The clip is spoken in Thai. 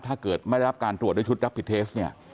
ถ้าเกิดไม่ได้รับการตรวจด้วยชุดรับผิดเทสเนี่ย